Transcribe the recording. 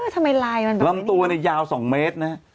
ทำไมลายมันแบบนี้ลำตัวนี้ยาว๒เมตรนะ